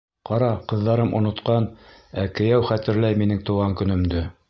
Ҡара, ҡыҙҙарым онотҡан, ә кейәү хәтерләй минең тыуған көнөмдө.